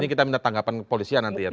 ini kita minta tanggapan kepolisian nanti ya